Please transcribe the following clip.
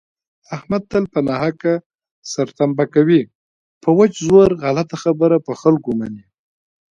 احمد تل په ناحقه سرتنبه کوي په وچ زور غلطه خبره په خلکو مني.